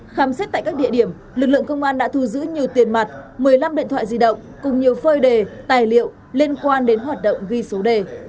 khám xét tại các địa điểm lực lượng công an đã thu giữ nhiều tiền mặt một mươi năm điện thoại di động cùng nhiều phơi đề tài liệu liên quan đến hoạt động ghi số đề